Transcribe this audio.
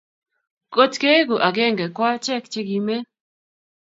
kot keegun akenge ko achek che kimen